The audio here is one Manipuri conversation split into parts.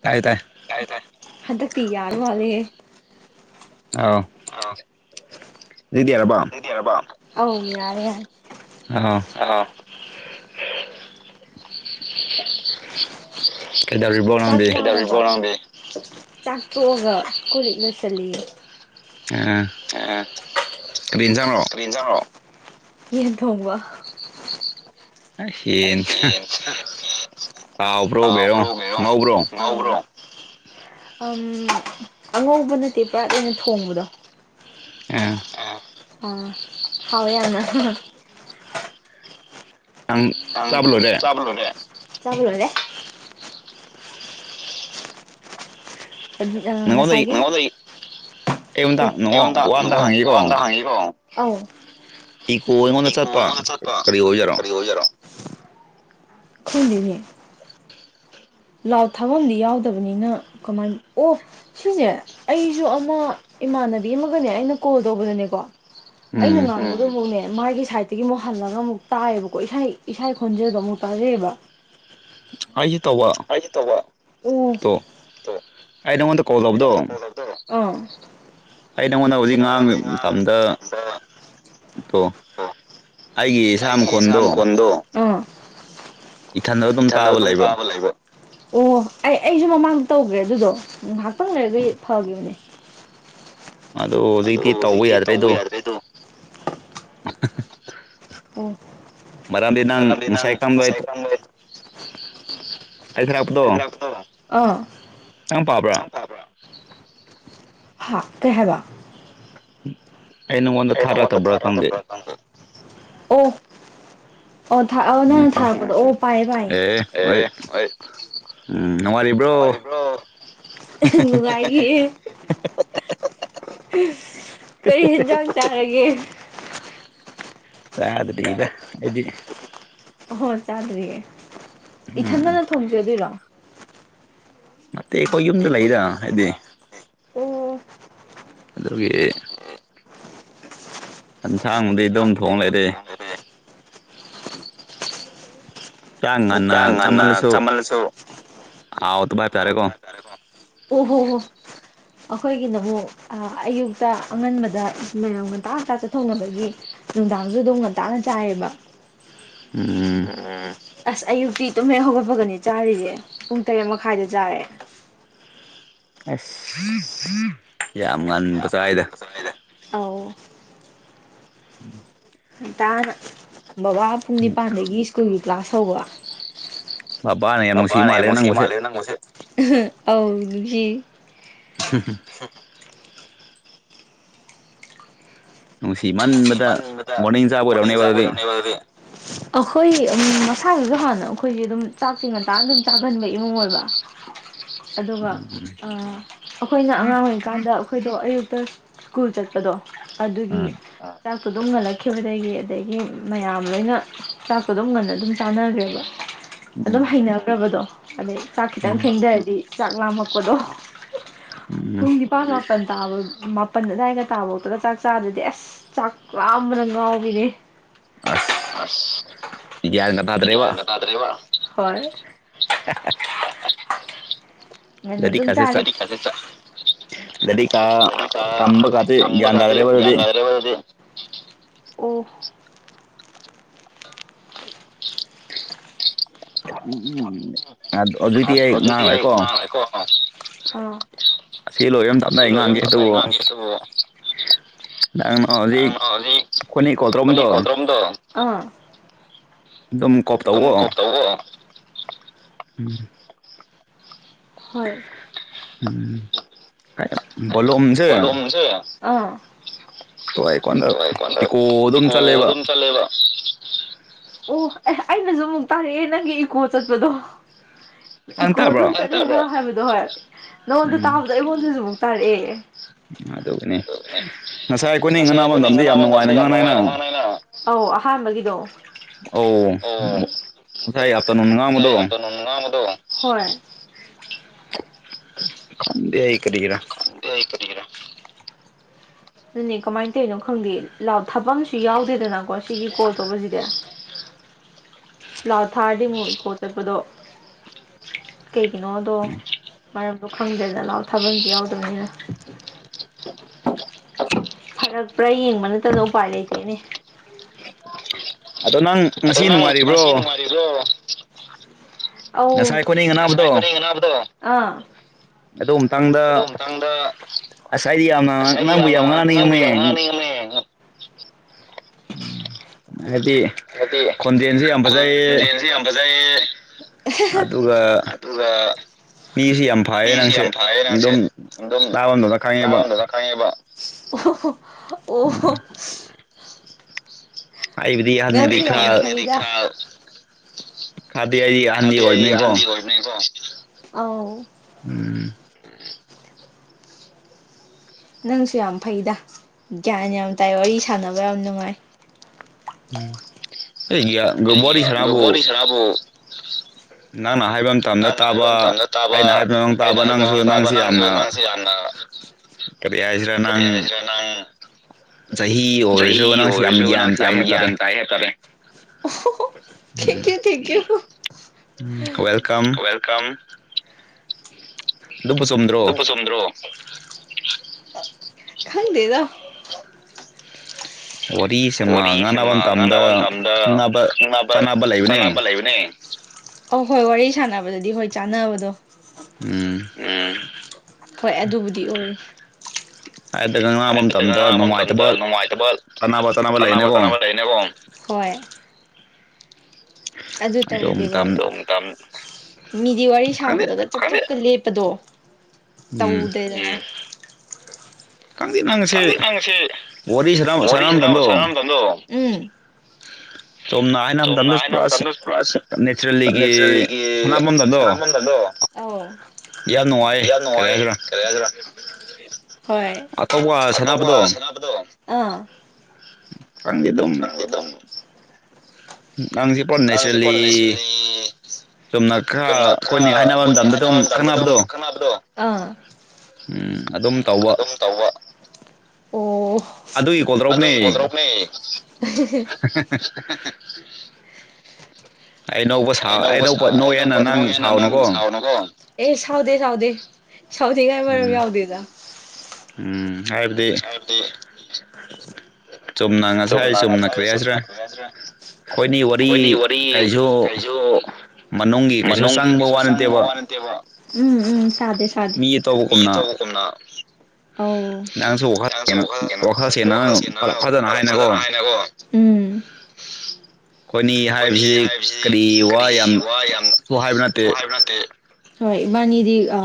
ꯇꯥꯏ ꯇꯥꯏ ꯍꯗ ꯄꯤ ꯌꯥꯔ ꯃꯥꯜꯂꯤ ꯑꯥꯎ ꯍꯧꯖꯤꯛꯇꯤ ꯌꯥꯔꯕꯣ ꯌꯥꯔ ꯌꯥ ꯑꯥꯎ ꯀꯩꯗꯧꯔꯤꯕꯣ ꯆ ꯅꯪꯗꯤ ꯆꯥꯛꯇꯣꯛꯑꯒ ꯀꯨꯔꯤꯠ ꯂꯣꯏꯁꯤꯜꯂꯤ ꯑ ꯀꯔꯤ ꯆꯣ ꯌꯦꯟ ꯊꯣꯡꯕ ꯑꯩꯁ ꯌꯦꯟ ꯍꯥꯎꯕ꯭ꯔꯣ ꯀꯩꯅꯣ ꯌꯦꯟꯕ꯭ꯔꯣꯒꯔꯣ ꯉꯧꯕ꯭ꯔꯣ ꯉꯣꯕ꯭ꯔꯣ ꯑꯉꯧꯕ ꯅꯠꯇꯦ ꯄꯨꯔꯥ ꯂꯩꯅ ꯊꯣꯡꯕꯗꯣ ꯑ ꯑ ꯍꯥꯎ ꯌꯥꯝꯅ ꯅꯪ ꯆꯥꯕ ꯂꯣꯏꯔꯦ ꯆꯕꯂꯣꯅꯦꯦ ꯆꯂꯔꯦ ꯅꯪꯉꯣꯟꯗ ꯉꯁꯥꯏꯒꯤ ꯑꯩ ꯑꯝꯇ ꯅꯉꯣ ꯋꯥ ꯑꯝꯇ ꯀꯣ ꯍꯪꯒꯦꯀꯣ ꯋꯥꯗ ꯍꯪꯉꯤꯀꯣ ꯑꯥꯎ ꯏꯀꯣ ꯑꯩꯉꯣꯟꯗ ꯆꯠꯄ ꯆꯠꯄ ꯀꯔꯤ ꯑꯣꯏꯖꯔꯣ ꯍꯗꯤꯅꯦ ꯂꯥꯎ ꯊꯥꯐꯝꯗꯤ ꯌꯥꯎꯗꯕꯅꯤꯅ ꯀꯃꯥꯏ ꯑꯣ ꯁꯤꯁꯦ ꯑꯩꯁꯨ ꯑꯃ ꯏꯃꯥꯟꯅꯕꯤ ꯑꯃꯒꯅꯦ ꯑꯩꯅ ꯀꯣꯜ ꯇꯧꯕꯗꯅꯦꯀꯣ ꯑꯩꯅ ꯎꯝ ꯉ ꯑꯗꯨ ꯑꯃꯨꯛꯅꯦ ꯃꯥꯒꯤ ꯁꯥꯏꯠꯇꯒꯤ ꯑꯃꯨꯛ ꯍꯜꯂꯒ ꯑꯃꯨꯛ ꯇꯥꯏꯌꯦꯕꯀꯣ ꯏꯁ ꯏꯁꯥꯏ ꯈꯣꯟꯖꯦꯜꯗꯣ ꯑꯃꯨꯛ ꯇꯥꯖꯩꯑꯕ ꯑꯩꯁꯦ ꯇꯧꯕ ꯑꯩꯁꯨ ꯇꯧꯕ ꯑꯣ ꯇꯣ ꯑꯩ ꯅꯉꯣꯟꯗ ꯀꯣꯜ ꯑꯩ ꯇꯧꯕꯗꯣ ꯅꯉꯣꯟꯗ ꯀꯣꯜ ꯇꯧꯕꯗꯣ ꯑꯥ ꯑꯩ ꯅꯪꯉꯣꯟꯗ ꯍꯧꯖꯤꯛ ꯅꯉꯣꯟꯗ ꯉꯔꯥꯡ ꯉꯥꯡꯕ ꯃꯇꯝꯗ ꯃꯇꯝꯗꯣ ꯇꯣ ꯑꯩꯒꯤ ꯏꯁꯥꯝ ꯀꯣꯟꯗꯣ ꯏ ꯊꯥꯟꯗ ꯇꯥꯕ ꯇꯝ ꯂꯩꯕ ꯀꯥꯕ ꯂꯕ ꯑꯣ ꯑꯩ ꯑꯩꯁꯨ ꯃꯃꯥꯡꯗ ꯇꯧꯈ꯭ꯔꯦ ꯑꯗꯨꯗꯣ ꯉꯥꯏꯍꯥꯛꯇꯪ ꯂꯩꯔꯒ ꯐꯒꯤꯈꯤꯕꯅꯦ ꯑꯗ ꯍꯧꯖꯤꯛꯇꯤ ꯇꯧꯕ ꯌꯥꯗ꯭ꯔꯦꯗꯣ ꯃꯔꯔꯥꯗꯤ ꯅ ꯃꯔꯝꯗꯤ ꯃꯅꯨꯡꯁꯥꯏ ꯅꯪ ꯀꯝꯗꯏ ꯉꯁꯥꯏ [unintelligible] ꯑ ꯅꯪ ꯄꯥꯕ꯭ꯔꯥ ꯍꯥ ꯀꯍꯕ ꯑꯩ ꯅꯪꯉꯣꯟꯗ ꯑꯩꯅ ꯃ ꯊꯥꯔꯛꯇꯕ꯭ꯔꯥ ꯊꯔ ꯈꯪꯗꯦ ꯑꯣ ꯎꯝ ꯅꯪ ꯎꯝ ꯊꯥꯄꯗ ꯑꯣ ꯄꯥꯏ ꯄꯥꯏ ꯑꯦ ꯍꯣꯏ ꯎꯝ ꯅꯨꯡꯉꯥꯏꯔꯤꯕ꯭ꯔꯣ ꯉ꯭ꯔ ꯅꯨꯡꯉꯥꯏꯒ ꯀꯔꯤ ꯌꯦꯤꯟꯖꯥꯡ ꯆꯥꯔꯒꯦ ꯆꯗꯔꯤ ꯏꯗꯗꯤ ꯑꯣ ꯆꯥꯗ꯭ꯔꯤꯌꯦꯦ ꯎꯝ ꯏꯊꯟꯗꯅ ꯊꯣꯡꯖꯦꯗꯣꯏꯔꯣ ꯅꯠꯇꯦ ꯑꯩꯈꯣꯏ ꯌꯨꯝꯗ ꯂꯩꯗ ꯍꯥꯏꯗꯤ ꯑꯣ ꯑꯗꯨꯒꯤ ꯌꯦꯟꯁꯥꯡꯗꯤ ꯑꯗꯨꯝ ꯊꯣꯡ ꯂꯩꯔꯦ ꯆꯥꯛ ꯎ ꯉꯟꯅ ꯉ ꯆꯥꯃꯜꯂꯁꯨ ꯀꯃꯜꯁꯨꯣ ꯍꯥꯎꯇꯕ ꯍꯥꯏꯇꯥꯔꯦꯀꯣ ꯇꯔꯦꯣ ꯑꯣ ꯍꯣ ꯍꯣ ꯑꯩꯈꯣꯏꯒꯤꯅꯕꯨꯛ ꯑꯌꯨꯛꯇ ꯑꯉꯟꯕꯗ ꯃꯌꯥꯝ ꯉꯟꯇꯥ ꯉꯇꯥ ꯆꯠꯊꯣꯛꯅꯕꯒꯤ ꯅꯨꯡꯗꯥꯡꯁꯨ ꯑꯗꯨꯝ ꯉꯇꯥꯥꯛꯅ ꯆꯥꯏꯌꯦꯕ ꯎꯝ ꯎꯝ ꯑꯁ ꯑꯌꯨꯛꯇꯤ ꯇꯨꯍꯦꯟ ꯍꯧꯒꯠꯄꯒꯅꯤ ꯆꯥꯔꯤꯁꯦ ꯄꯨꯡ ꯇꯔꯦꯠ ꯃꯈꯥꯏꯗ ꯆꯥꯔꯦ ꯑꯁ ꯌꯥꯝ ꯉꯟꯕ ꯆꯥꯏꯗ ꯑꯥꯎ ꯎꯝ ꯇꯥ ꯕꯕꯥ ꯄꯨꯡ ꯅꯤꯄꯥꯟꯗꯒꯤ ꯁ꯭ꯀꯨꯜꯒꯤ ꯀ꯭ꯂꯥꯁ ꯍꯧꯕ ꯕꯕꯥꯅ ꯌꯥꯝ ꯅꯨꯡꯁꯤ ꯃꯥꯜꯂꯦ ꯑꯅꯅꯣꯁꯤ ꯅꯪꯕꯨꯁꯦ ꯃꯥꯂꯦ ꯅꯁꯦ ꯍ ꯅꯨꯡꯁꯤꯃꯟꯕꯗ ꯏꯃꯟꯕꯗ ꯍꯣꯔꯅꯤꯡ ꯆꯥꯕ ꯑꯣꯏꯔꯝꯅꯦꯕ ꯑꯗꯨꯗꯤ ꯑꯩꯈꯣꯏ ꯃꯁꯥꯁꯤꯁꯨ ꯍꯥꯟꯅ ꯑꯩꯈꯣꯏꯁꯦ ꯑꯗꯨꯝ ꯆꯥꯛꯁꯦ ꯉꯇꯥꯡ ꯑꯗꯨꯝ ꯆꯥꯒꯟꯕ ꯏꯃꯨꯡ ꯑꯣꯏꯕ ꯑꯗꯨꯒ ꯎꯝ ꯑꯩꯈꯣꯏꯅ ꯑꯉꯥꯡ ꯑꯣꯏꯔꯤꯀꯥꯟꯗ ꯑꯩꯈꯣꯏꯗꯣ ꯑꯌꯨꯛꯇ ꯁ꯭ꯀꯨꯜ ꯆꯠꯄꯗꯣ ꯑꯗꯨꯒꯤ ꯎꯝ ꯆꯥꯛꯄꯣ ꯑꯗꯨꯝ ꯉꯜꯂꯛꯈꯤꯕꯗꯒꯤ ꯑꯗꯒꯤ ꯃꯌꯥꯝ ꯂꯣꯏꯅ ꯆꯥꯛꯄꯣ ꯑꯗꯨꯝ ꯉꯜ ꯑꯗꯨꯝ ꯆꯥꯟꯅꯈ꯭ꯔꯦꯕ ꯎꯝ ꯑꯗꯨꯝ ꯍꯩꯅꯈ꯭ꯔꯕꯗꯣ ꯑꯗꯩ ꯆꯥꯛ ꯈꯤꯇꯪ ꯎꯝ ꯊꯦꯡꯊꯔꯗꯤ ꯆꯥꯛ ꯂꯥꯝꯃꯛꯄꯗꯣ ꯎꯝ ꯄꯨꯡ ꯄꯥꯥꯜꯂ ꯃꯥꯄꯟ ꯇꯥꯕ ꯃꯥꯄꯜ ꯑꯗꯨꯗꯥꯋꯥꯏꯒ ꯇꯥꯕꯥꯎꯗꯒ ꯆꯥꯛ ꯆꯥꯗꯗꯤ ꯑꯁ ꯀꯝꯕꯔꯪꯒꯥ ꯑꯣꯒꯅꯦ ꯑꯁ ꯒ꯭ꯌꯥꯟꯒ ꯇꯥꯗ꯭ꯔꯦꯕ ꯌꯥꯌꯥꯖ ꯅꯀꯥꯗ꯭ꯔꯦ ꯋꯥ ꯍ [inaudible] ꯂꯥꯏꯔꯤꯛꯀꯁꯦ ꯍꯥꯏꯗꯤ ꯂꯥꯏꯔꯤꯛꯀ ꯀꯗꯤ ꯀ ꯇꯝꯕꯒꯗꯤ ꯊꯝꯕ ꯒ꯭ꯌꯥꯟ ꯈꯥꯇꯦ ꯇꯥꯗ꯭ꯔꯦꯕ ꯑꯗꯨꯗꯤ ꯭ꯟꯗꯥꯗꯔꯦꯕ ꯑꯗꯨꯗꯤ ꯑꯣ ꯎꯝ ꯎꯝ ꯑ ꯍꯧꯖꯤꯣꯏꯇꯤ ꯑꯩ ꯍꯧꯖꯤꯛꯇꯤ ꯉꯥꯡꯈ꯭ꯔꯦꯀꯣ ꯉꯥꯡꯔꯦꯀꯣ ꯑꯥ ꯑꯁꯤ ꯂꯣꯏꯕ ꯑꯃ ꯇꯞꯅꯏ ꯑꯁꯤ ꯂꯣꯏꯕ ꯉꯥꯡꯒꯦ ꯃꯇꯝꯗ ꯑꯩ ꯑꯗꯨꯕꯨ ꯉꯥꯡꯒꯦ ꯑꯗꯨꯕꯨ ꯅꯪꯅ ꯍꯧꯖꯤꯛ ꯍꯧꯖꯤꯛ ꯑꯩꯈꯣꯏꯅꯤ ꯀꯣꯜ ꯇꯧꯔꯝꯕꯗꯣ ꯑꯩꯈ ꯀꯇ꯭ꯔꯣꯝꯗꯣ ꯝ ꯇꯝꯣꯇꯥꯕꯣ ꯎꯝ ꯍꯣꯏ ꯀ ꯣꯂꯣꯝꯁꯦ ꯍꯁ ꯑꯥ ꯇꯣꯛꯑꯦ ꯀꯣꯟꯗ ꯇ ꯑꯩꯀꯣꯗ ꯏꯀꯣ ꯑꯗꯨꯝ ꯏꯀꯨ ꯆꯠꯂꯦꯕ ꯑꯗꯨꯝ ꯆꯠꯂꯦꯕ ꯑꯣ ꯑꯦꯁ ꯑꯩꯅꯁꯨ ꯑꯃꯨꯛ ꯇꯥꯔꯛꯑꯦ ꯅꯪꯒꯤ ꯏꯀꯣ ꯆꯠꯄꯗꯣ ꯅꯪ ꯏꯀꯣ ꯇꯥꯕ꯭ꯔꯣ ꯑꯗꯨꯝ ꯆꯠꯂꯣ ꯍꯥꯏꯕꯗꯣ ꯍꯣꯏ ꯅꯉꯣꯟꯗ ꯎꯝ ꯇꯥꯕꯗꯣ ꯑꯩꯉꯣꯟꯗꯁꯨ ꯑꯃꯨꯛ ꯇꯥꯔꯛꯑꯦ ꯑꯗꯨꯒꯤꯅꯤ ꯑꯗꯨꯅꯦ ꯉꯁꯥꯏ ꯑꯩꯈꯣꯏꯅ ꯉꯥꯅꯥ ꯑꯩꯈꯣꯏꯅꯤ ꯃꯇꯝꯗꯤ ꯌꯥꯝ ꯉꯥꯡꯅꯕ ꯅꯨꯡꯉꯥꯏꯅ ꯃꯇꯝꯗꯤ ꯉꯥꯡ ꯅꯥꯅ ꯉꯥꯡꯅꯩꯅ ꯑꯧ ꯑꯍꯥꯟꯕꯒꯤꯗꯣ ꯑꯧ ꯑꯣ ꯉꯁꯥꯏ ꯑꯞꯇꯔꯅꯨꯟ ꯉꯥꯡꯕꯗꯣ ꯉꯁꯥꯏ ꯑꯐꯇꯔꯅꯨꯟ ꯍꯣꯏ ꯈꯪꯗꯦ ꯑꯩ ꯀꯔꯤꯒꯤꯔ ꯌꯥꯏ ꯀꯒ꯭ꯔ ꯑꯗꯨꯅꯤ ꯀꯃꯥꯏꯅ ꯇꯧꯔꯤꯅꯣ ꯈꯪꯗꯦ ꯊꯥꯕꯁꯨ ꯌꯥꯎꯗꯦꯗꯅꯀꯣ ꯁꯤꯒꯤ ꯀꯣꯜ ꯇꯧꯕꯁꯤꯗꯤ ꯂꯥ ꯊꯥꯔꯗꯤ ꯑꯃꯨꯛ ꯏꯀꯣ ꯆꯠꯄꯗꯣ ꯀꯩꯒꯤꯅꯣꯗꯣ ꯃꯔꯝꯗꯣ ꯈꯪꯗ꯭ꯔꯦꯗ ꯂꯥꯑꯣ ꯊꯥꯕꯝꯗꯤ ꯌꯥꯎꯗꯕꯅꯤꯅ [inaudible] ꯐꯔꯛꯄ꯭ꯔꯥ ꯌꯦꯡꯕ ꯅꯠꯇꯅ ꯎꯄꯥꯏ ꯂꯩꯇꯣꯏꯅꯦ ꯑꯗꯣ ꯅꯪ ꯑꯗꯣ ꯉꯁꯤ ꯅꯪ ꯅꯨꯡꯉꯥꯏꯔꯤꯕ꯭ꯔꯣ ꯉꯁꯤ ꯉꯁꯥꯏ ꯑꯧ ꯑꯩꯈꯣꯏꯅꯤ ꯉꯥꯡꯅꯕꯗꯣ ꯑꯥ ꯑꯗꯨ ꯃꯇꯥꯡꯗ ꯑꯗꯨ ꯃꯇꯥꯡꯗ ꯑꯁꯥꯏꯗꯤ ꯌꯥꯝꯅ ꯑꯁ ꯑꯩꯗꯤ ꯅꯪꯕꯨ ꯌꯥꯝꯅ ꯌꯥꯝ ꯅꯪꯕꯨ ꯌꯥꯝ ꯅꯤꯡꯉꯅꯦ ꯉꯥꯡꯅꯤꯡꯉꯝꯃꯦ ꯎꯝ ꯍꯥꯏꯗꯤ ꯍꯥꯏꯗꯤ ꯈꯨꯣꯟꯖꯦꯜꯁꯤ ꯌꯥꯝ ꯐꯖꯩꯌꯦ ꯑꯗꯨꯒꯥ ꯃꯤꯁꯤ ꯌꯥꯝ ꯐꯩꯌꯦ ꯃꯤꯁꯤ ꯅꯪꯁꯦ ꯌꯥꯝ ꯐꯔꯌꯦ ꯅꯪꯁꯦ ꯑꯗꯨꯝ ꯑꯗꯨꯝ ꯇꯥꯕ ꯃꯇꯝꯗ ꯈꯪꯉꯦꯕ ꯂꯥꯔꯣꯝꯗꯒ ꯈꯪꯉꯦꯕ ꯑꯣ ꯎꯝ ꯑꯣ [inaudible] ꯑꯩꯕꯨꯗꯤ ꯑꯍꯟꯒꯗꯤ ꯅꯥꯪꯁꯤ ꯌꯥꯝ ꯈꯔ ꯐꯩꯗ ꯀꯥꯗꯦ ꯑꯩ ꯑꯍꯟꯗꯤ ꯑꯣꯏꯕꯅꯤꯅꯀꯣ ꯑꯧ ꯎꯝ ꯅꯪꯁꯨ ꯌꯥꯝ ꯐꯩꯗ ꯒ꯭ꯌꯥꯟ ꯌꯥꯝ ꯇꯥꯏ ꯋꯥꯔꯤ ꯁꯥꯟꯅꯕ ꯌꯥꯝ ꯅꯨꯡꯉꯥꯏ ꯎꯝ ꯑꯩ ꯋꯥꯔꯤ ꯁꯥꯅꯕꯨ ꯇꯥꯕꯣ ꯅꯅꯥ ꯍꯥꯏꯕ ꯃꯇꯝꯝꯗ ꯍꯥꯏꯕ ꯇꯥꯕ ꯃꯇꯝꯗ ꯇꯥꯕ ꯑꯩꯅ ꯍꯥꯏꯕ ꯃꯇꯝ ꯑꯩꯅ ꯇꯥꯕ ꯍꯥꯏꯕ ꯅꯪꯁꯨ ꯃꯇꯝ ꯇꯥꯕ ꯅꯪꯁꯤ ꯅꯪꯁꯨ ꯌꯥꯝꯅ ꯅꯪꯁꯤ ꯌꯥꯝꯅ ꯀꯔꯤ ꯍꯥꯏꯁꯤꯔ ꯀꯔꯤ ꯅꯪ ꯍꯥꯏꯁꯤꯔ ꯅꯪ ꯆꯍꯤ ꯑꯣꯏꯔꯁꯨ ꯅꯪꯁꯤ ꯌꯥꯝ ꯒꯌꯥꯟ ꯇꯥꯏ ꯍꯥꯏꯇꯥꯔꯦ ꯐꯩ ꯍꯥꯏ ꯇꯔꯦ ꯊ ꯌꯨ ꯊꯦꯡꯀ꯭ꯌꯨ ꯎꯝ ꯋꯦꯜꯀꯝ ꯋꯦꯜꯀꯝ ꯑꯗꯨꯕꯨ ꯆꯨꯝꯗ꯭ꯔ ꯕ ꯆꯨꯝꯗ꯭ꯔꯣ ꯈꯪꯗꯦꯗ ꯋꯥꯔꯤ ꯋꯥꯔꯤ ꯁꯨꯝꯅ ꯉꯥꯡꯅꯕ ꯁꯥꯅ ꯃꯇꯝꯗ ꯉꯥꯡꯅꯕ ꯃꯇꯝꯗ ꯈꯪꯅꯕ ꯈꯪꯅꯕ ꯆꯥꯅꯕ ꯂꯩꯕꯅꯦ ꯑ ꯍꯣꯏ ꯋꯥꯔꯤ ꯁꯥꯟꯅꯕꯗꯗꯤ ꯍꯣꯏ ꯆꯥꯟꯅꯕꯗꯣ ꯎꯝ ꯎꯝ ꯍꯣꯏ ꯑꯗꯨꯕꯨꯗꯤ ꯎꯟ ꯍꯥꯏꯗꯒ ꯉꯥꯡꯕ ꯃꯇꯝꯗ ꯉꯥꯡꯅꯕ ꯃꯇꯝꯗ ꯅꯨꯡꯉꯥꯏꯇꯕ ꯅꯨꯡꯉꯥꯏꯇꯕ ꯆꯥꯅꯕ ꯆꯥꯅꯕ ꯆꯥꯅꯥꯕ ꯂꯩꯅꯀꯣ ꯆꯥꯅꯥꯕ ꯂꯩꯅꯦꯀꯣ ꯑꯗꯨ ꯇꯧꯗꯤꯔꯣ ꯃꯤꯗꯤ ꯋꯥꯔꯤ ꯈꯪꯗꯦ ꯁꯥꯕꯗꯣꯒ ꯆꯞ ꯆꯞꯀ ꯂꯦꯞꯄꯗꯣ ꯎꯝ ꯇꯧꯗꯦꯗ ꯈꯪꯗꯦ ꯅꯪ ꯈꯪꯗꯤ ꯅꯪꯁꯦ ꯋꯥꯔꯤꯁꯤ ꯃꯇꯝꯗꯣ ꯁꯅꯔꯝꯗꯣ ꯎꯟ ꯆꯨꯝꯅ ꯍꯥꯏꯅꯕ ꯁꯣꯅ ꯃꯇꯝꯗ ꯍꯥꯏꯅ ꯄꯨꯔꯥ ꯅꯦꯆꯔꯦꯜꯂꯤꯒꯤ ꯅꯦꯆꯔꯜꯂꯤꯒꯤ ꯁꯥꯟꯅꯕ ꯃꯇꯝꯗꯣ ꯁꯅꯥꯄꯟꯗꯗꯣ ꯑ ꯌꯥꯝ ꯅꯨꯡꯉꯥꯏ ꯌꯥꯝ ꯀꯔꯤ ꯅꯨꯡꯉꯥꯏꯌꯦ ꯍꯥꯏꯁꯤꯔꯥ ꯀꯔꯤ ꯍꯥꯏꯗ꯭ꯔꯥ ꯍꯣꯏ ꯑꯇꯣꯞꯄ ꯁꯥꯟꯅꯕꯗꯣ ꯑꯇ ꯁꯅꯕꯗꯣ ꯑ ꯁꯪꯖꯗ ꯑꯗꯝ ꯉꯥꯡꯁꯤꯦ ꯅꯪꯁꯦꯀꯣ ꯄꯅꯦꯁꯂꯤ ꯅꯦꯆꯔꯦꯜꯂꯤ ꯆꯨꯝꯅ ꯈꯔ ꯆꯨꯝꯅ ꯑꯩꯈꯣꯏꯅꯤ ꯍꯥꯏꯅꯕ ꯑꯩꯈꯣꯏꯅꯤ ꯃꯇꯝꯗ ꯑꯗꯨꯝ ꯍꯥꯏꯅꯕ ꯃꯇꯝꯗ ꯑꯗꯨꯝ ꯈꯪꯅꯕꯗꯣ ꯈꯪꯅꯕꯗꯣ ꯑꯥ ꯎꯝ ꯑꯗꯨꯝ ꯇꯧꯕ ꯑꯗꯨꯝ ꯇꯧꯕ ꯑꯣ ꯑꯗꯨꯒꯤ ꯀꯣꯜ ꯑꯗꯨꯏ ꯇꯧꯔꯛꯄꯅꯦ ꯀꯣꯟꯇꯔꯨꯛꯅꯦ ꯑꯩ ꯅꯧꯕ ꯁꯥꯎ ꯑꯩ ꯑꯅꯧꯕ ꯁꯥ ꯅꯧꯕ ꯑꯅꯧꯕ ꯅꯣꯏꯌꯦꯅ ꯅꯣꯏ ꯅꯪ ꯍꯦꯅ ꯅꯪ ꯁꯥꯎꯅꯨꯀꯣ ꯑꯦ ꯁꯥꯎꯗꯦ ꯁꯥꯎꯗꯦ ꯁꯥꯎꯗꯦ ꯀꯥꯏ ꯃꯔꯝ ꯎꯝ ꯌꯥꯎꯗꯦꯗ ꯎꯝ ꯎꯝ ꯍꯥꯏꯕꯗꯤ ꯍꯥꯏꯇꯤ ꯉꯁꯥꯏ ꯆꯨꯝꯅ ꯉ ꯀꯔꯤ ꯆꯨꯝꯅ ꯍꯥꯏꯁꯤꯔꯥ ꯀꯗ꯭ꯔꯥ ꯑꯩꯣꯏꯅꯤ ꯋꯥꯔꯤ ꯀꯩꯁꯨ ꯃꯅꯨꯡꯒꯤ ꯀꯩꯁꯨ ꯃꯅꯨꯡꯒꯤ ꯆꯪꯕ ꯀꯩꯁꯨ ꯋꯥ ꯆꯪꯕ ꯅꯠꯇꯦꯕ ꯋꯥ ꯅꯠꯇꯦꯕ ꯎꯝ ꯎꯝꯗꯦ ꯃꯤ ꯑꯇꯧꯕꯒꯨꯝꯅ ꯑ ꯅꯪꯁꯨ ꯋꯥꯈꯜ ꯅꯍꯥꯡꯁꯨ ꯁꯦꯡꯅ ꯋꯥꯈꯠꯂꯛꯀꯦꯅ ꯋꯥꯈꯜ ꯁꯦꯡꯅ ꯋꯥꯈꯠꯂꯛꯀꯦꯅ ꯐꯖꯅ ꯍꯥꯏꯅꯀꯣ ꯎ ꯑꯩꯈꯣꯏꯅꯤ ꯑꯩꯈꯣꯏꯅꯤ ꯍꯥꯏꯕꯁꯤꯗꯤ ꯍꯥꯏꯕꯁꯤ ꯋꯥ ꯀꯔꯤ ꯌꯥꯝ ꯋꯥ ꯁꯨ ꯍꯥꯏꯕ ꯅꯠꯇꯦ ꯌꯥꯝꯁꯨ ꯍꯥꯏꯕ ꯅꯠꯇꯦ ꯍꯣꯏ ꯏꯕꯥꯅꯤꯗꯤ ꯑ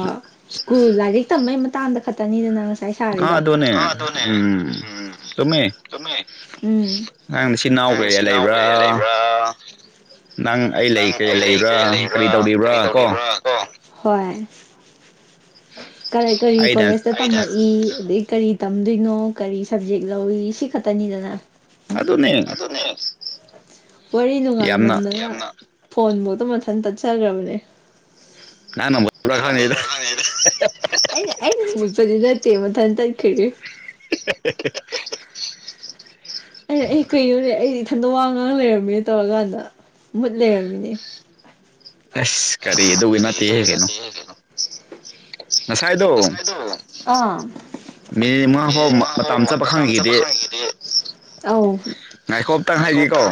ꯁ꯭ꯀꯨꯜ ꯂꯥꯏꯔꯤꯛ ꯇꯝꯉꯩ ꯃꯇꯥꯡꯗ ꯈ ꯇꯅꯤꯗꯨꯅ ꯉꯁꯥꯏ ꯑꯥ ꯑꯗꯨꯅꯦ ꯁꯥꯔꯏꯗꯣꯅꯦꯝ ꯎꯝ ꯆꯨꯝꯃꯦ ꯎꯝ ꯅꯪ ꯅꯆꯤꯟ ꯅꯅꯥꯎ ꯀꯩ ꯅꯪꯆꯤꯟ ꯏꯅꯥꯎ ꯂꯩꯕ꯭ꯔꯥ ꯀꯩꯌꯥ ꯂꯩꯕ꯭ꯔꯥ ꯅꯪ ꯑꯩ ꯂꯩ ꯀꯩ ꯂꯩꯕ꯭ꯔꯥ ꯀꯔꯤ ꯇꯧꯔꯤꯕ꯭ꯔꯥ ꯍꯣꯏ ꯀꯔꯤ ꯀꯔꯤ ꯑꯩꯅ ꯀꯣꯂꯦꯖꯇ ꯇꯝꯃꯛꯏ ꯑꯗꯗꯒꯤ ꯀꯔꯤ ꯇꯝꯗꯣꯏꯅꯣ ꯀꯔꯤ ꯁꯕꯖꯦꯛ ꯂꯧꯏꯤ ꯁꯤ ꯈꯛꯇꯅꯤꯗꯅ ꯑꯗꯨ ꯑꯗꯨꯅꯦ ꯋꯥꯔꯤꯔꯤꯅꯅꯨꯡꯉꯥꯏ ꯌꯥꯝꯅ ꯃꯗ ꯐꯣꯟꯐꯧꯗ ꯃꯊꯟ ꯇꯠꯆꯈ꯭ꯔꯕꯅꯦ ꯅꯪꯅ ꯃꯨꯠꯄ꯭ꯔꯥ ꯈꯪꯗꯦꯗ ꯀꯅ꯭ꯔ ꯈ ꯑꯩꯗ ꯇꯦꯃꯊ ꯇ ꯀꯔꯤ [unintelligible] ꯑꯩ ꯑꯩ ꯀꯩꯅꯣꯅꯦ ꯑꯩꯗꯤ ꯏꯊꯟꯗ ꯋꯥ ꯉꯥꯡ ꯂꯩꯔꯝꯃꯤꯅ ꯇꯧꯔꯀꯥꯟꯗ ꯃꯨꯠ ꯂꯩꯔꯝꯃꯤꯅꯦ ꯑꯁ ꯀꯔꯤ ꯑꯗꯨꯒ ꯅꯠꯇꯦꯍ ꯀꯩꯅꯣ ꯉꯁꯥꯏꯗꯣ ꯑꯥ ꯃꯤ ꯃꯉꯥ ꯐꯥꯎ ꯃꯇꯝ ꯆꯠꯄ ꯍꯥꯡꯈꯤꯗꯤ ꯑ ꯉꯥꯏꯈꯣ ꯑꯝꯇꯪ ꯍꯥꯏꯒꯦꯀꯣ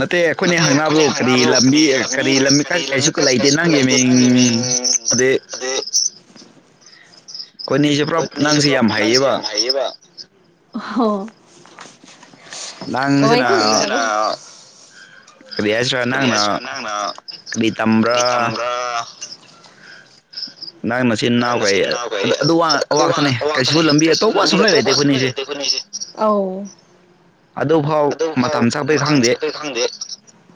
ꯅꯠꯇꯦ ꯑꯩꯈꯣꯏꯅ ꯍꯪꯅꯕꯗꯣ ꯀꯔꯤ ꯂꯝꯕꯤ ꯀꯔꯤ ꯂꯝꯕꯤ ꯀꯔꯤꯁꯨ ꯂꯩꯇꯦ ꯅꯪꯒꯤ ꯃꯤꯡ ꯑꯗ ꯍ ꯑꯩꯈꯣꯏꯅꯤꯁꯦ ꯄꯨꯔꯥ ꯀꯨꯠꯅꯤꯁꯦ ꯅꯪꯁꯦ ꯄꯨꯞ ꯌꯥꯝ ꯅꯪꯁꯦ ꯍꯩꯌꯦꯕ ꯌꯥꯝ ꯍꯥꯏꯩꯌꯦꯕ ꯀꯃꯥꯏ ꯅꯪꯁꯤꯅ ꯀꯕꯤ ꯑꯦꯁ꯭ꯔ ꯅ ꯍꯥꯏꯁꯤꯔꯥ ꯅꯪꯅ ꯀꯕꯤ ꯇꯝ꯭ꯔ ꯀꯔꯤ ꯇꯝꯕ꯭ꯔꯥ ꯅ ꯃ ꯆꯤꯟ ꯏꯅꯥꯎ ꯅꯪ ꯀꯩ ꯅꯆꯤꯟ ꯅꯅꯥꯎ ꯀꯩ ꯑꯗꯨ ꯑꯋꯥꯛꯇꯅꯦ ꯀꯩꯁꯨ ꯑꯋꯥꯛꯇꯅꯦ ꯂꯝꯕꯤ ꯑꯇꯧꯕꯄ ꯁꯨꯂ ꯂꯩꯇꯦ ꯑꯩꯈꯣꯏꯅꯤꯁꯦ ꯑ ꯑꯗꯨꯗꯐꯥꯎ ꯑꯗꯨ ꯐꯥꯎ ꯃꯇꯝ ꯆꯥꯄꯩ ꯈꯪꯗꯦ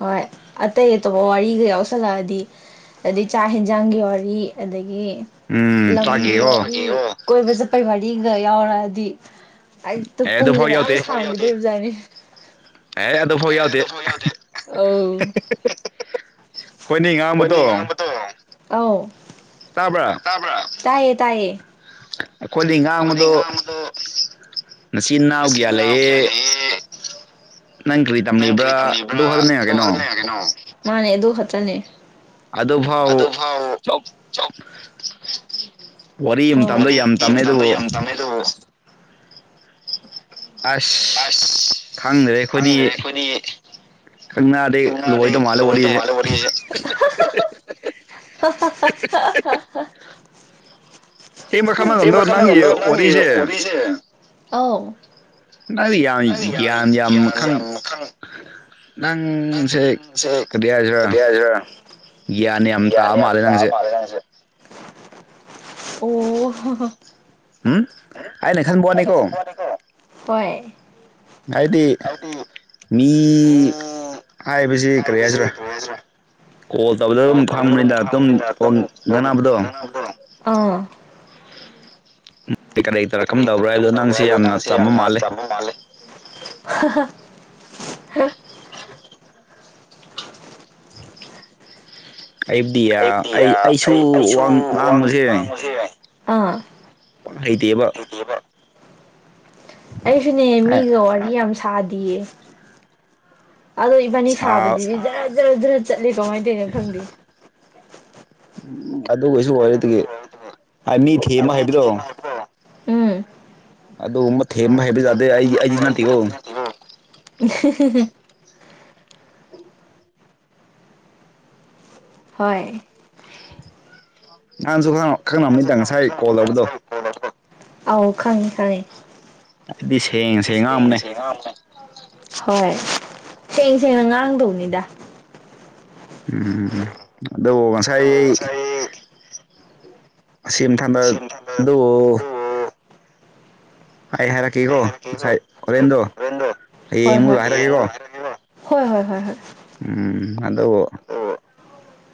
ꯍꯣꯏ ꯑꯇꯩ ꯑꯇꯣꯞꯄ ꯋꯥꯔꯤꯒ ꯌꯥꯎꯁꯜꯂꯛꯑꯗꯤ ꯑꯗꯩ ꯆꯥꯛ ꯌꯦꯟꯖꯥꯡꯒꯤ ꯋꯥꯔꯤ ꯑꯗꯒꯤ ꯎꯝ ꯂꯝꯒꯤ ꯆꯥꯛꯀꯦꯀꯣ ꯋꯥꯔꯤ ꯀꯣꯏꯕ ꯆꯠꯄꯩ ꯃꯔꯤꯒ ꯌꯥꯎꯔꯛꯑꯗꯤ ꯑꯛꯇ ꯑꯦ ꯄꯨꯡꯁꯦ ꯑꯗꯨꯐꯥꯎ ꯃꯌꯥꯝ ꯌꯧꯗꯦ ꯁꯥꯡꯅꯗꯣꯏ ꯑꯣꯖꯥꯠꯅꯤ ꯑꯦ ꯑꯗꯨꯐꯥꯎ ꯌꯥꯎꯗꯦ ꯐꯒ ꯑ ꯑꯩꯈꯣꯏꯅꯤ ꯍꯣꯏꯅꯤ ꯉꯥꯡꯕꯗꯣ ꯉꯝꯕꯔꯣ ꯇꯥꯕꯔ ꯇꯥꯏꯌꯦ ꯇꯥꯏꯌꯦ ꯑꯩꯈꯣꯏꯗꯤ ꯉꯥꯡꯕꯗꯣ ꯅꯆꯤꯟ ꯅꯁꯤꯅꯥꯎꯒ꯭ꯌꯥ ꯅꯅꯥꯎ ꯀꯌꯥ ꯂꯩꯌꯦ ꯂꯩꯌꯦ ꯅꯪ ꯀꯔꯤꯗ ꯅꯪ ꯀꯕ꯭ꯔꯤ ꯊꯝꯃꯤꯕꯔ ꯃꯥꯅꯦ ꯑꯗꯨ ꯍꯅꯤ ꯑꯗꯨ ꯐꯥꯎ ꯆꯣꯞ ꯋꯥꯔꯤ ꯌꯨꯝ ꯇꯝꯗ ꯌꯥꯝ ꯃꯇꯝꯗꯣ ꯇꯝꯃꯦꯗꯨꯕꯨ ꯌꯥꯝ ꯇꯝꯃꯦ ꯑꯗꯨꯕꯨ ꯑꯁ ꯈꯪꯗ꯭ꯔꯦ ꯑꯩꯈꯣꯏꯗꯤ ꯈꯪꯅꯔꯗꯤ ꯏꯟꯅ ꯂꯣꯏꯗꯧ ꯃꯥꯜꯂꯦ ꯗꯨꯕꯩ ꯇ ꯋꯥꯔꯤꯁꯦ ꯃꯥꯔꯦ ꯄꯁꯦ [unintelligible] ꯁꯦꯡꯕ ꯈꯪꯕ ꯀꯔꯤ ꯉꯝꯗꯕ ꯃꯈꯜꯅꯣ ꯅꯪꯒꯤ ꯋꯥꯔꯤꯁꯦ ꯅꯪꯗꯤ ꯌꯥꯝ ꯒ꯭ꯌꯥꯟ ꯌꯥꯝ ꯈꯪ ꯅꯪꯁꯦ ꯀꯔꯤ ꯍꯥꯏꯁꯤꯔ ꯀꯔꯤ ꯍꯥꯏꯁꯤꯔꯥ ꯒ꯭ꯌꯥꯟ ꯌꯥꯝ ꯇꯥꯑ ꯒ꯭ꯌꯥꯟ ꯌꯥꯝ ꯃꯥꯜꯂꯦ ꯇꯥꯕ ꯅꯪꯁꯦ ꯃꯥꯜꯂꯦ ꯅꯪꯁꯦ ꯑꯣ ꯎꯝ [unintelligible] ꯍꯣꯏ ꯍꯥꯏꯗꯤ ꯃꯤ ꯍꯥꯏꯕꯁ ꯀꯔꯤ ꯍꯥꯏꯕꯁꯤ ꯍꯥꯏꯁꯤ꯭ꯔꯥ ꯀꯔꯤ ꯍꯥꯏꯁꯤꯔꯥ ꯀꯣꯜ ꯇꯧꯕꯗ ꯑꯗꯨꯝ ꯇꯧꯔ ꯈꯪꯕꯅꯤꯗ ꯑꯗꯨꯝ ꯐꯪꯕꯅꯤꯅ ꯑꯗꯨꯝ ꯐꯣꯟ ꯉꯅꯕꯗꯣ ꯉꯥꯡꯅꯕꯗꯣ ꯇꯧꯔꯛꯀꯝꯗꯕ꯭ꯔꯥ ꯍꯥꯏꯕꯗꯣ ꯝꯗꯕ꯭ꯔꯥ ꯅꯪꯁꯦ ꯍꯥꯏ ꯂꯣ ꯅꯪꯁꯤ ꯆꯝꯕ ꯌꯥꯝꯅ ꯃꯥꯜꯂꯦ ꯆꯥꯝꯕ ꯃꯥꯜꯂꯦ ꯑꯩꯕꯨꯗꯤ ꯑꯩ ꯄꯤ ꯑꯩꯁꯨ ꯑꯩ ꯑꯩꯁꯨ ꯋꯥ ꯋꯥ ꯉꯥꯡꯕꯁꯦ ꯋꯥꯥꯡꯕꯁꯨ ꯌꯥꯏ ꯍꯩꯇꯦꯕ ꯑꯩꯁꯨꯅꯦ ꯃꯤꯒ ꯋꯥꯔꯤ ꯌꯥꯝ ꯁꯥꯗꯤꯌꯦ ꯑꯗꯣ ꯏꯕꯥꯅꯤ ꯁꯥꯕꯗꯤ ꯁꯥ ꯖꯔ ꯖꯔ ꯖꯔ ꯆꯠꯂꯤ ꯀꯃꯥꯏꯅ ꯇꯧꯅꯣ ꯈꯪꯗꯦ ꯎꯝ ꯑꯗꯨꯒ ꯑꯣꯏꯁꯨ ꯑꯣꯏꯔꯦ ꯑꯗꯨꯗꯤ ꯑꯗꯨꯒꯤꯁꯨ ꯑꯣꯏꯔꯗꯨꯕꯨ ꯃꯤ ꯊꯦꯝ ꯑꯃ ꯃꯤ ꯍꯥꯏꯕꯗꯣ ꯊꯦꯝꯕ ꯍꯥꯏꯕꯗꯣ ꯎꯝ ꯑꯗꯨ ꯃꯊꯦ ꯑꯃ ꯍꯥꯏꯕ ꯌꯥꯥꯗꯦ ꯊꯦꯝꯕ ꯍꯩꯕ ꯑꯩ ꯌꯥꯗꯦ ꯑꯩꯗꯤ ꯅꯠꯇꯦꯀꯣ ꯅꯠꯇꯦꯀꯣ [unintelligible] ꯍꯣꯏ ꯅꯍꯥꯟꯁꯨ ꯈꯪꯅꯕꯅꯤꯗ ꯉꯁꯥꯏ ꯀꯣꯜ ꯇꯧꯕꯗꯣ ꯑꯥꯎ ꯈꯪꯉꯦ ꯈꯪꯉꯦ ꯑꯩꯗꯤ ꯁꯦꯡꯉ ꯁꯦꯡ ꯉꯥꯡ ꯑꯃꯅꯦ ꯁꯦꯡꯅ ꯉꯥꯡꯕꯅꯦ ꯍꯣꯏ ꯁꯦꯡ ꯁꯦꯡꯅ ꯉꯥꯡꯗꯧꯅꯤꯗ ꯎꯝ ꯑꯗꯨ ꯉꯁꯥꯏ ꯑꯗꯨꯕꯨ ꯉꯁꯥꯏ ꯁꯤ ꯃꯊꯪꯗ ꯑꯁꯤꯝꯊꯪꯗꯗꯨ ꯑꯗꯨꯕꯨ ꯑꯩ ꯍꯥꯏꯔꯛ ꯑꯩ ꯀꯦꯀꯣ ꯍꯥꯏꯔꯛꯀꯦꯀꯣ ꯉꯁꯥꯏ ꯑꯣꯣꯔꯦꯟꯗꯣ ꯍꯣꯔꯦꯟꯗꯣ ꯍꯌꯦꯡ ꯍꯣꯏ ꯍꯣꯏ ꯑꯃꯨꯗ ꯍꯌꯦꯡ ꯍꯥꯏꯔꯛꯒꯦꯀꯣ ꯑꯃꯨꯛ ꯍꯥꯏꯔꯛꯀꯦꯀꯣ ꯍꯣꯏ ꯍꯣꯏ ꯍꯣꯏ ꯍꯣꯏ ꯎꯝ ꯑꯗ ꯑꯗꯨ